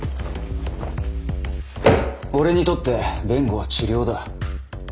俺にとって弁護は治療だ。